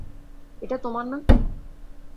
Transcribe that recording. এটা তোমার না!